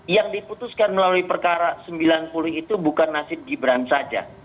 yang diputuskan melalui perkara sembilan puluh itu bukan nasib gibran saja